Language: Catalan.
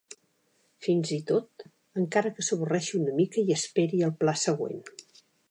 Fins i tot encara que s'avorreixi una mica i esperi el pla següent.